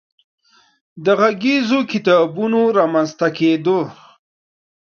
د غږیزو کتابونو رامنځ ته کېدو